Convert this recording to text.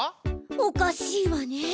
おかしいわね。